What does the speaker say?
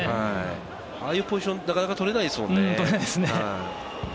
ああいうポジションなかなか取れないですよね。